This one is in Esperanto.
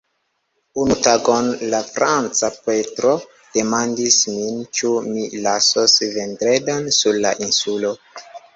Unu tagon la franca pretro demandis min ĉu mi lasos Vendredon sur la insulo.